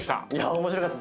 面白かったです。